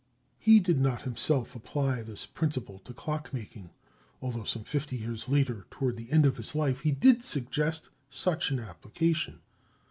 He did not himself apply this principle to clock making, although some fifty years later, toward the end of his life, he did suggest such an application.